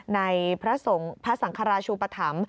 ในพระสงฆ์พระสังคราชูปธรรม